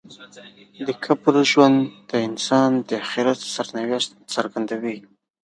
د قبر ژوند د انسان د آخرت سرنوشت څرګندوي.